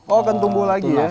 oh akan tumbuh lagi ya